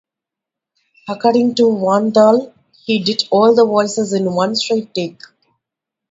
According to Van Dahl, he did all the voices in one straight take.